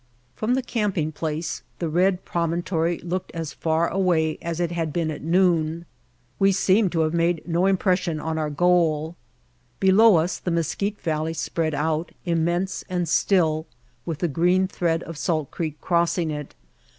From the camping place the red promontory looked as far away as it had been at noon; we seemed to have made no impression on our goal. Below us the Mesquite Valley spread out, im mense and still, with the green thread of Salt Creek crossing it.